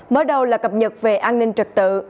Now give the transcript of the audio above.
mới đầu là cập nhật về an ninh trật tự